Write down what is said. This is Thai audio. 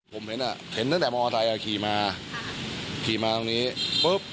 ผมเห็นอ่ะเห็นตั้งแต่มอไทยอ่ะขี่มาขี่มาตรงนี้ปุ๊บ